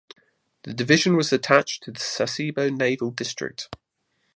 The division was attached to the Sasebo Naval District.